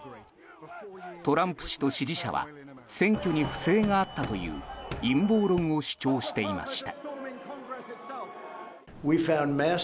トランプ氏と支持者は選挙に不正があったという陰謀論を主張していました。